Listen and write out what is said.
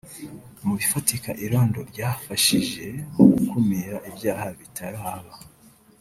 Mu bifatika irondo ryafashije mu gukumira ibyaha bitaraba